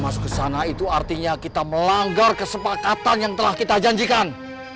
masuk ke sana itu artinya kita melanggar kesepakatan yang telah kita janjikan